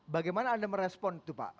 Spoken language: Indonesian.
bagaimana anda merespon itu pak